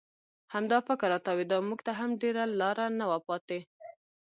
همدا فکر را تاوېده، موږ ته هم ډېره لاره نه وه پاتې.